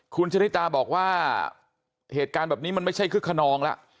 คุณชริตาบอกว่าเหตุการณ์แบบนี้มันไม่ใช่คึกขนองแล้ว